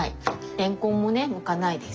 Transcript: れんこんもねむかないです。